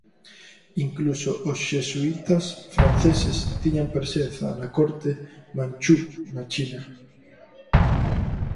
Incluso os xesuítas franceses tiñan presenza na corte Manchú na China.